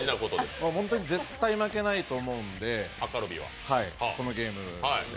ホントに絶対負けないと思うので、このゲームで。